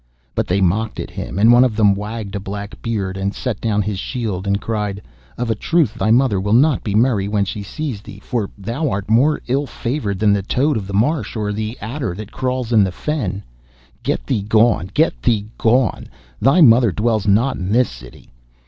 But they mocked at him, and one of them wagged a black beard, and set down his shield and cried, 'Of a truth, thy mother will not be merry when she sees thee, for thou art more ill favoured than the toad of the marsh, or the adder that crawls in the fen. Get thee gone. Get thee gone. Thy mother dwells not in this city.